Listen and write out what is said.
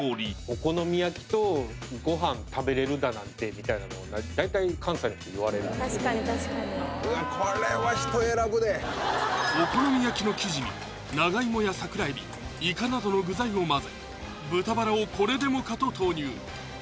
お好み焼きとご飯食べれるだなんてみたいなのを大体関西の人言われる確かに確かにお好み焼きの生地に長芋や桜エビイカなどの具材を混ぜ豚バラをこれでもかと投入！